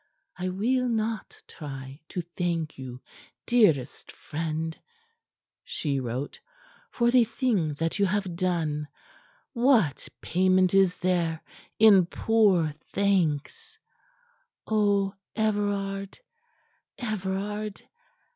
"I will not try to thank you, dearest friend," she wrote. "For the thing that you have done, what payment is there in poor thanks? Oh, Everard, Everard!